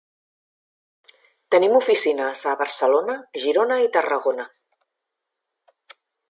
Tenim oficines a Barcelona, Girona i Tarragona.